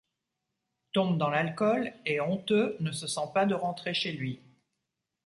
Tombe dans l'alcool et honteux, ne se sent pas de rentrer chez lui.